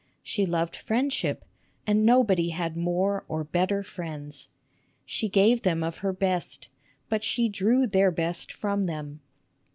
She loved friendship, and nobody had more or better friends. She gave them of her best, but she drew their best from them.